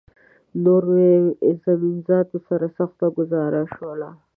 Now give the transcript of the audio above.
نور مې زمین ذاتو سره سخته ګوزاره شوله